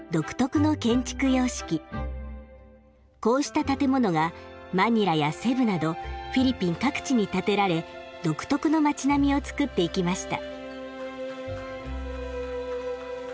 こうした建物がマニラやセブなどフィリピン各地に建てられ独特の街並みをつくっていきました。